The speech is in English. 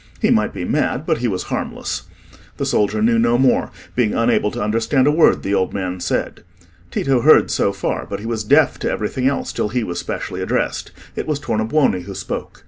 He might be mad, but he was harmless. The soldier knew no more, being unable to understand a word the old man said. Tito heard so far, but he was deaf to everything else till he was specially addressed. It was Tornabuoni who spoke.